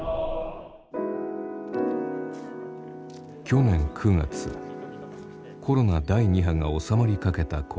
去年９月コロナ第２波が収まりかけた頃。